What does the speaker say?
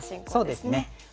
そうですね。